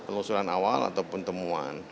penelusuran awal atau penemuan